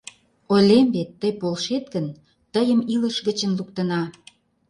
Ойлем вет, тый полшет гын, тыйым илыш гычын луктына.